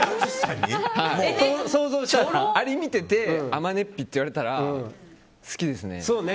アリ見てて、天音っピって言われたら好きですね。